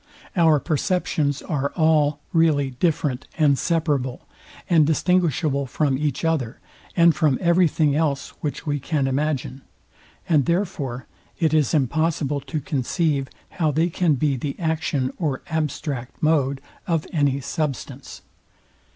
Our perceptions are all really different, and separable, and distinguishable from each other, and from everything else, which we can imagine: and therefore it is impossible to conceive, how they can be the action or abstract mode of any substance.